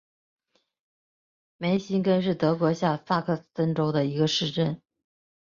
梅辛根是德国下萨克森州的一个市镇。